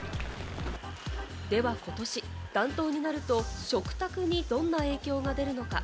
ではことし、暖冬になると、食卓にどんな影響が出るのか？